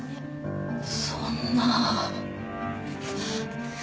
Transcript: そんな。